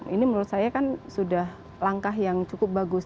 ini menurut saya kan sudah langkah yang cukup bagus